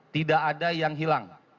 tidak ada yang hilang